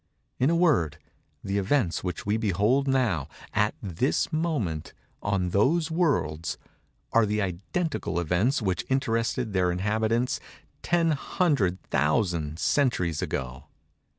In a word, the events which we behold now—at this moment—in those worlds—are the identical events which interested their inhabitants ten hundred thousand centuries ago.